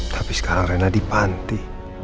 tapi sekarang rena di panti